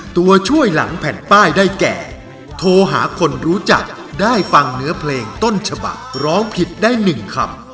ตัวช่วยหลังแผ่นป้ายได้แก่โทรหาคนรู้จักได้ฟังเนื้อเพลงต้นฉบักร้องผิดได้๑คำ